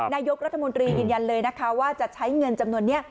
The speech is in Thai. นายกรัฐมนตรียืนยันเลยนะคะว่าจะใช้เงินจำนวนนี้